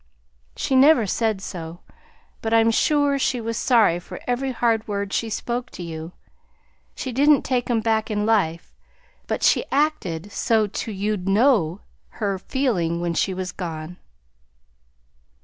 She never said so, but I'm sure she was sorry for every hard word she spoke to you; she didn't take 'em back in life, but she acted so 't you'd know her feeling when she was gone."